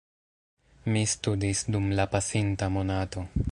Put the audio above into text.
Mi studis dum la pasinta monato.